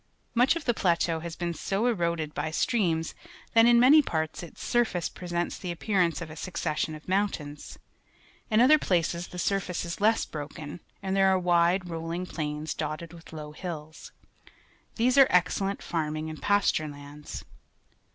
Much of the plateau has been so eroded by streams that in many parts its surface presents the appear ance of a succe.ssion of mountains. In other places the surface is less broken, and there are wide, rolhng plains, dotted with low hills. These are excellent farming and pasture lands.